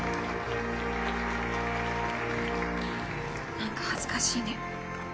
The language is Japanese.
なんか恥ずかしいね。